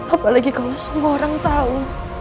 apalagi kalau semua orang tahu